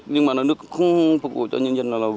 nhưng mà nước không phục vụ cho nhân dân